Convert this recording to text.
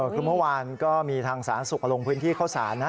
คือเมื่อวานก็มีทางสาธารณสุขลงพื้นที่เข้าสารนะ